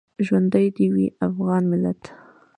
ژوندی دې وي افغان ملت